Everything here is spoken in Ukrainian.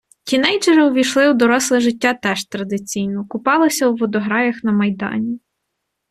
Тінейджери увійшли у доросле життя теж традиційно - купалися у водограях на Майдані.